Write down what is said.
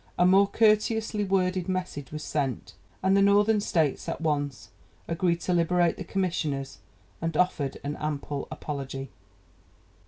A more courteously worded message was sent, and the Northern States at once agreed to liberate the commissioners and offered an ample apology.